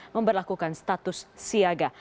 memperlakukan status siaga